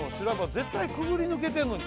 絶対くぐり抜けてんのに。